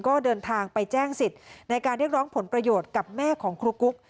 ก็เดินทางไปแจ้งสิทธิ์ในการเรียกร้องผลประโยชน์กับแม่ของครูกุ๊ก